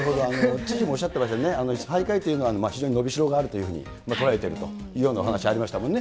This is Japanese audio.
知事もおっしゃってましたよね、最下位というのは非常に伸びしろがあるというふうに捉えているというお話がありましたもんね。